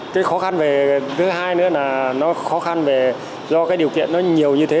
cái khó khăn về thứ hai nữa là nó khó khăn do cái điều kiện nó nhiều như thế